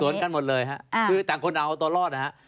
กันหมดเลยฮะคือต่างคนเอาตัวรอดนะฮะ